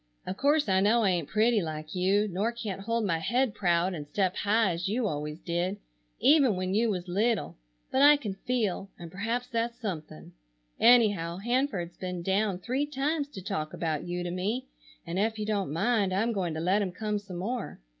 "Of course I know I aint pretty like you, nor can't hold my head proud and step high as you always did, even when you was little, but I can feel, and perhaps that's something. Anyhow Hanford's been down three times to talk about you to me, and ef you don't mind I'm going to let him come some more.